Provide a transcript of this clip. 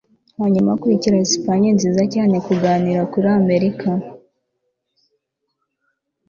hanyuma akurikira espagne nziza cyane kuganira kuri amerika